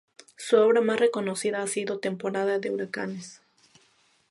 Su obra más reconocida ha sido "Temporada de huracanes.